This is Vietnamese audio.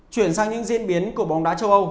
chuyển sang những diễn biến của bóng đá châu âu